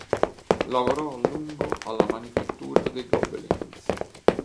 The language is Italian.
Lavorò a lungo alla Manifattura dei Gobelins.